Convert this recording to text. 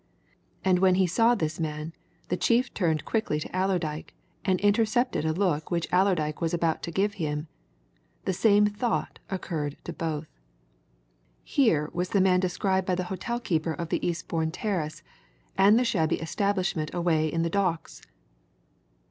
And when he saw this man, the chief turned quickly to Allerdyke and intercepted a look which Allerdyke was about to give him the same thought occurred to both. Here was the man described by the hotel keeper of Eastbourne Terrace and the shabby establishment away in the Docks!